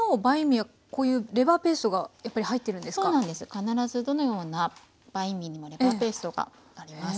必ずどのようなバインミーにもレバーペーストがあります。